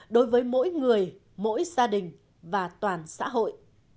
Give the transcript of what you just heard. đối với mỗi người mỗi gia đình và toàn xã hội